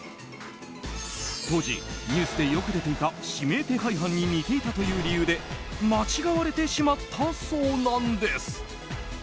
当時、ニュースでよく出ていた指名手配犯に似ていたという理由で間違われてしまったそうなんです。